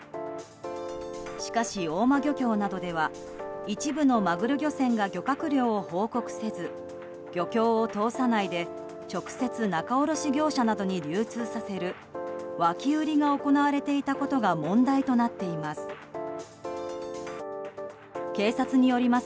しかし、大間漁協などでは一部のマグロ漁船が漁獲量を報告せず漁協を通さないで直接、仲卸業者などに流通させる脇売りが行われていたことが問題となっています。